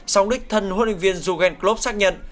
xong đích thân huấn luyện viên jugendklub xác nhận